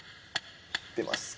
出ますか？